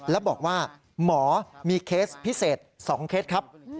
แล้วบอกว่าหมอมีเคสพิเศษ๒เคสครับ